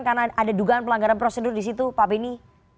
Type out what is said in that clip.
karena ada dugaan pelanggaran prosedur di situ pak beni